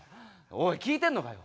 おい聞いてんのかよ！